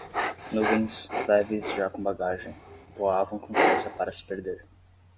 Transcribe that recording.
Nuvens, leves já com bagagem, voavam com pressa para se perder.